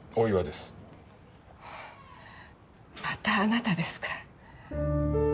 またあなたですか。